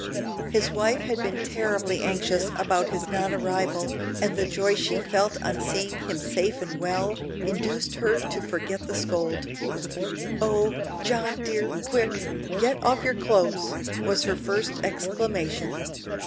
His wife had been terribly anxious about his non arrival, and the joy she felt on seeing him safe and well, induced her to forget the scold. "Oh! John dear, quick, get off your clothes," was her first exclamation.